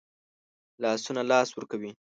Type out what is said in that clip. لاسونه لاس ورکوي